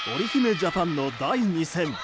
ジャパンの第２戦。